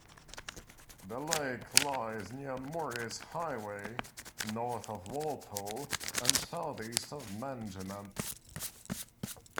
The lake lies near Muirs Highway, north of Walpole and southeast of Manjimup.